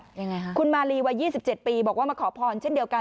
ยังไงฮะคุณมาลีวัย๒๗ปีบอกว่ามาขอพรเช่นเดียวกัน